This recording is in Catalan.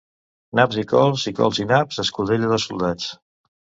Naps i cols, i cols i naps, escudella de soldats.